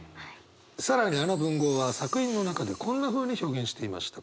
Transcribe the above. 更にあの文豪は作品の中でこんなふうに表現していました。